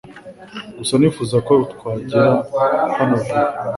Gusa nifuzaga ko twagera hano vuba